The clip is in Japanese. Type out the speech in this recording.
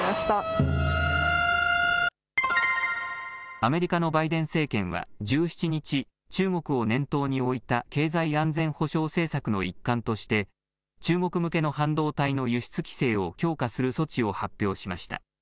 アメリカのバイデン政権は１７日、中国を念頭に置いた経済安全保障政策の一環として、中国向けの半導体の輸出規制を強化する措置を発表しました。